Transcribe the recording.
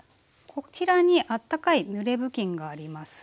こちらにあったかいぬれ布巾があります。